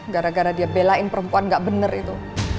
gara gara dia belain perempuan gak bener itu